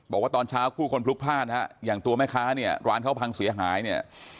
บอกว่าตอนเช้าคู่คนพลุกพลาดนะฮะอย่างตัวแม่ค้าเนี่ยร้านเขาพังเสียหายเนี่ย